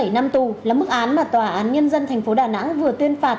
bảy năm tù là mức án mà tòa án nhân dân tp đà nẵng vừa tuyên phạt